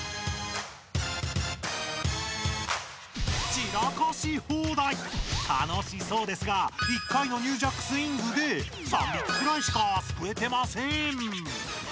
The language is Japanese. ちらかしほうだいたのしそうですが１回のニュージャックスイングで３びきくらいしかすくえてません！